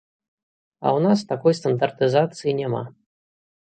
А ў нас такой стандартызацыі няма.